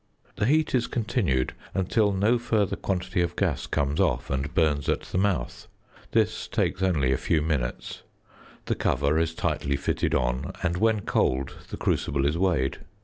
The heat is continued until no further quantity of gas comes off and burns at the mouth. This takes only a few minutes. The cover is tightly fitted on, and when cold the crucible is weighed.